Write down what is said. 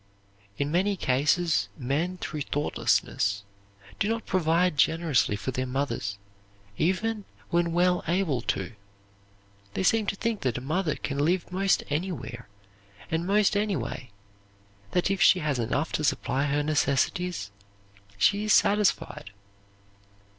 In many cases men through thoughtlessness do not provide generously for their mothers even when well able to. They seem to think that a mother can live most anywhere, and most anyway; that if she has enough to supply her necessities she is satisfied.